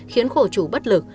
khiến khổ chủ bất lực